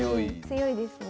強いですね。